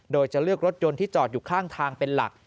โดยจะเลือกรถยนต์ที่จอดอยู่ข้างทางเป็นหลัก